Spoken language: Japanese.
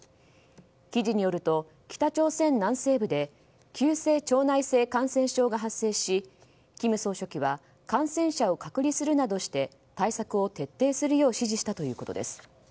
記事によると北朝鮮南西部で急性腸内性感染症が発生し金総書記は感染者を隔離するなどし対策を徹底するよう指示したということです。